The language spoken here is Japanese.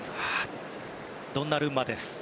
ドンナルンマです。